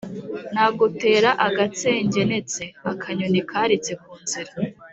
Nagutera agatsengenetse-Akanyoni karitse ku nzira.